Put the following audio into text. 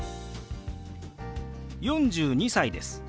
４２歳です。